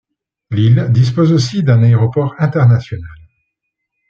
L'île dispose aussi d'un aéroport international.